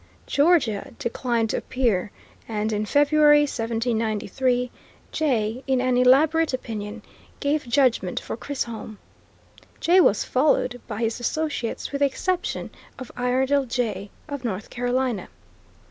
Georgia declined to appear, and in February, 1793, Jay, in an elaborate opinion, gave judgment for Chisholm. Jay was followed by his associates with the exception of Iredell, J., of North Carolina.